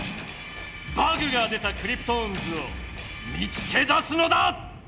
バグが出たクリプトオンズを見つけだすのだ！